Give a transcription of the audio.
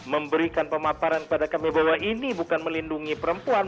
memberikan pemaparan kepada kami bahwa ini bukan melindungi perempuan